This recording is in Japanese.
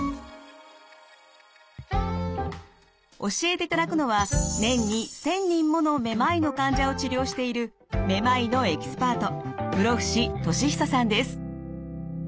教えていただくのは年に１，０００人ものめまいの患者を治療しているめまいのエキスパート室伏利久さんです。